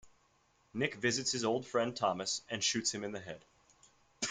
Nick visits his old friend Thomas and shoots him in the head.